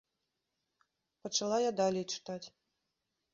Пачала я далей чытаць.